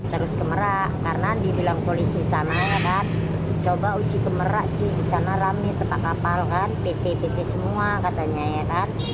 terus ke merak karena dibilang polisi sana ya kan coba uji ke merak sih disana rame tepat kapal kan pt pt semua katanya ya kan